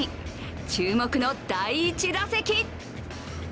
注目の第１打席。